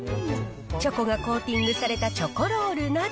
チョコがコーティングされたチョコロールなど、